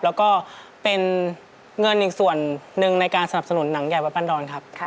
แล้วก็เป็นเงินอีกส่วนหนึ่งในการสนับสนุนหนังใหญ่วัดบันดรครับ